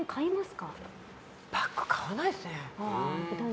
バッグ、買わないですね。